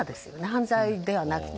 犯罪ではなくて。